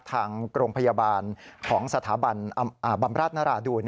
ทางโรงพยาบาลของสถาบันบำราชนราดูน